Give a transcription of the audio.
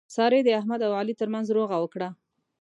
سارې د احمد او علي ترمنځ روغه وکړه.